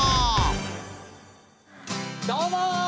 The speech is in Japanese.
どうも！